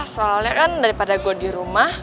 soalnya kan daripada gue di rumah